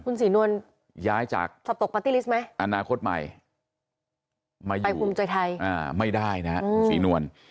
คุณสีนวลย้ายจากสับตกปาร์ตี้ลิสต์ไหมอนาคตใหม่ไปภูมิใจไทยไม่ได้นะครับสีนวล